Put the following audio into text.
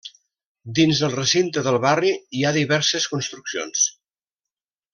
Dins el recinte del barri hi ha diverses construccions.